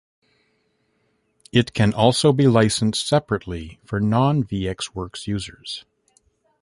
It can also be licensed separately for non-VxWorks users.